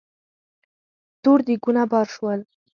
تور دېګونه بار شول.